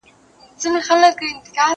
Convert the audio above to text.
زه کولای سم نان وخورم!